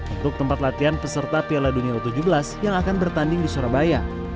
untuk tempat latihan peserta piala dunia u tujuh belas yang akan bertanding di surabaya